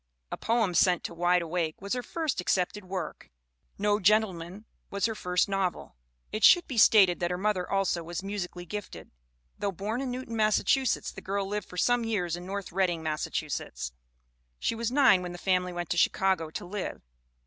A poem sent to Wide Awake was her first accepted work. CLARA LOUISE BURNHAM 273 No Gentlemen was her first novel. It should be stated that her mother also was musically gifted. Though born in Newton, Massachusetts, the girl lived for some years in North Reading, Massachusetts. She was nine when the family went to Chicago to live.